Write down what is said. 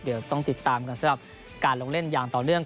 เดี๋ยวต้องติดตามกันสำหรับการลงเล่นอย่างต่อเนื่อง